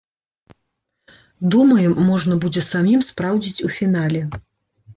Думаем, можна будзе самім спраўдзіць у фінале.